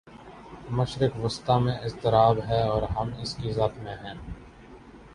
مشرق وسطی میں اضطراب ہے اور ہم اس کی زد میں ہیں۔